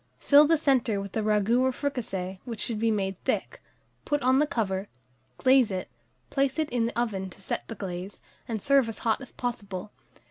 Fill the centre with the ragoût or fricassee, which should be made thick; put on the cover, glaze it, place it in the oven to set the glaze, and serve as hot as possible.